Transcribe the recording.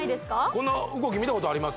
こんな動き見たことあります？